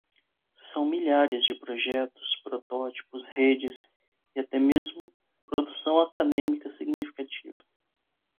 São milhares de projetos, protótipos, redes e até mesmo produção acadêmica significativa.